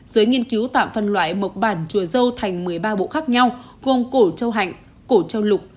giới nghiên cứu tạm phân loại mộc bản chùa dâu thành một mươi ba bộ khác nhau gồm cổ châu hạnh cổ châu lục